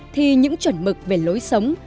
thì những chuẩn mực về lối sống